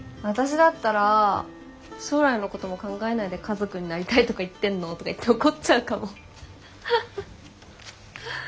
私だったら「将来のことも考えないで家族になりたいとか言ってんの？」とか言って怒っちゃうかも？